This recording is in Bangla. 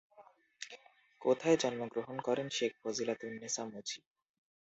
কোথায় জন্মগ্রহণ করেন শেখ ফজিলাতুন্নেছা মুজিব?